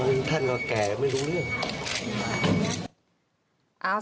ท่านก็แก่ไม่รู้เรื่อง